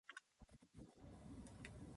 膝下が痒い